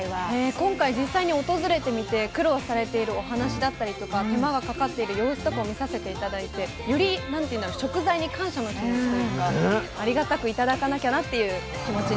今回実際に訪れてみて苦労されているお話だったりとか手間がかかっている様子とかを見させて頂いてより食材に感謝の気持ちというかありがたく頂かなきゃなっていう気持ちになりました。